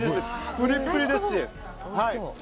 プリップリですし。